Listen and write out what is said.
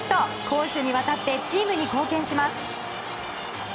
攻守にわたってチームに貢献します。